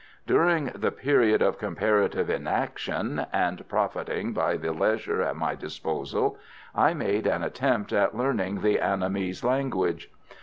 During the period of comparative inaction, and profiting by the leisure at my disposal, I made an attempt at learning the Annamese language.